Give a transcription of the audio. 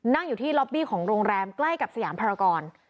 นั่งอยู่ที่ล็อบบี้ของโรงแรมใกล้กับสยามภารกร